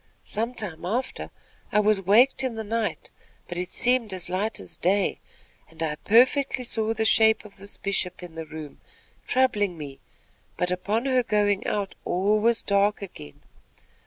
Some time after, I was waked in the night; but it seemed as light as day, and I perfectly saw the shape of this Bishop in the room, troubling me; but upon her going out, all was dark again.